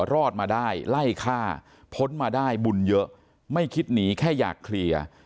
รอดมาได้ไล่ฆ่าพ้นมาได้บุญเยอะไม่คิดหนีแค่อยากเคลียร์